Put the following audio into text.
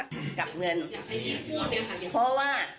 ยังไม่อยากไปที่ฟ่าเนี่ยครับ